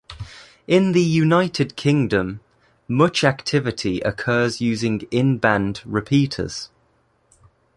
In the United Kingdom, much activity occurs using in-band repeaters.